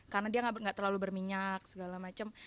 karena dia nggak terlalu berminyak segala macam